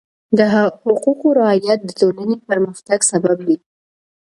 د حقوقو رعایت د ټولنې پرمختګ سبب دی.